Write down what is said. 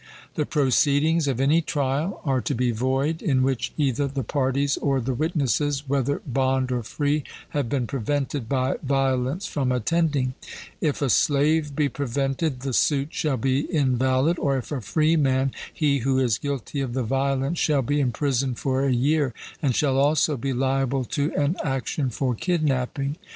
The proceedings of any trial are to be void, in which either the parties or the witnesses, whether bond or free, have been prevented by violence from attending: if a slave be prevented, the suit shall be invalid; or if a freeman, he who is guilty of the violence shall be imprisoned for a year, and shall also be liable to an action for kidnapping.